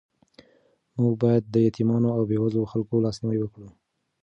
موږ باید د یتیمانو او بېوزلو خلکو لاسنیوی وکړو.